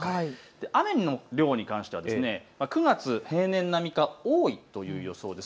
雨の量に関しては９月、平年並みか多いという予想です。